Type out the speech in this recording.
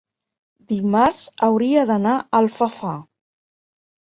Dimarts hauria d'anar a Alfafar.